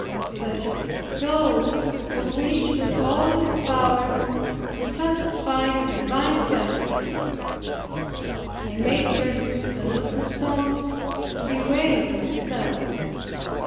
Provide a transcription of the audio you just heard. Such a soul would wish with all its power to satisfy the divine justice. I made verses and little songs to bewail myself.